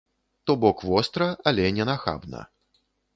То бок востра, але не нахабна.